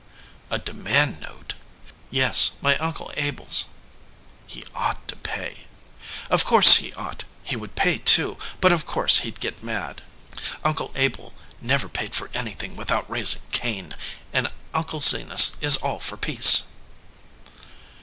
"A demand note?" "Yes, my uncle Abel s." "He ought to pay." "Of course he ought. He would pay, too, but of course he d get mad. Uncle Abel never paid for anything without raising Cain, and Uncle Zenas is all for peace."